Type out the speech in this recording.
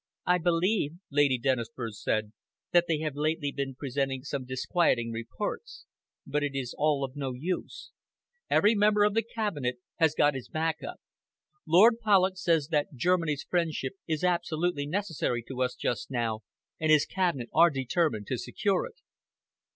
"I believe," Lady Dennisford said, "that they have lately been presenting some disquieting reports. But it is all of no use. Every member of the Cabinet has got his back up. Lord Polloch says that Germany's friendship is absolutely necessary to us just now, and his Cabinet are determined to secure it."